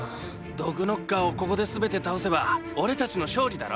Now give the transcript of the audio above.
毒ノッカーをここで全て倒せば俺たちの勝利だろ？